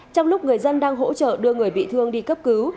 trong lúc người dân đang hỗ trợ đưa người bị thương đi cấp cứu